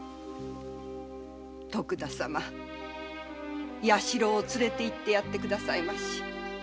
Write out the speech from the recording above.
徳田様弥四郎を連れて行ってやって下さいまし。